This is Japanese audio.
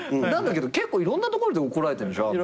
なんだけど結構いろんな所で怒られてるでしょ。